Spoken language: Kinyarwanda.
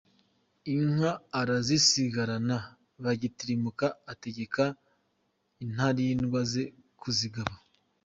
Inka arazisigarana, bagitirimuka ategeka Intarindwa ze kuzibaga.